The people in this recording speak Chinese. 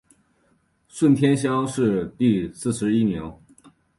顺天乡试第四十一名。